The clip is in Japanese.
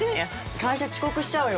会社遅刻しちゃうよ。